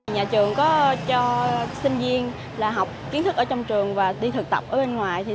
nhà trường có cho sinh viên học kiến thức ở trong trường và đi thực tập ở bên ngoài